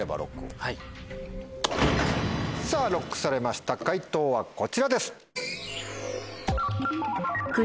さぁＬＯＣＫされました解答はこちらです。